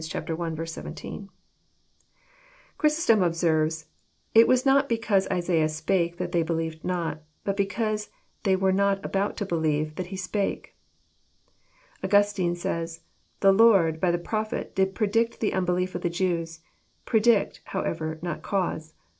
Chrysostom observes :'< It was not because Isaiah spake that they believed not, but because they were not about to believe, that he spake." Augustine says :The Lord, by the prophet, did predict the unbelief of the Jews, — predict, however, not cause.